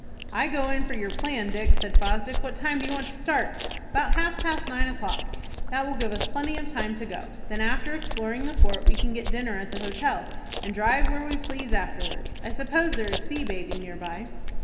"I go in for your plan, Dick," said Fosdick. "What time do you want to start?" "About half past nine o'clock. That will give us plenty of time to go. Then, after exploring the fort, we can get dinner at the hotel, and drive where we please afterwards. I suppose there is sea bathing near by."